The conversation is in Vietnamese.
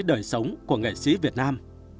đời sống của nghệ sĩ việt nam